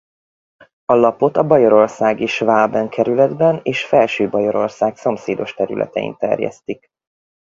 A lapot a bajorországi Schwaben kerületben és Felső-Bajorország szomszédos területein terjesztik.